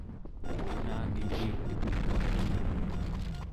nunanilitekaa